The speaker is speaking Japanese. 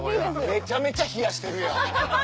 めちゃめちゃ冷やしてるやん。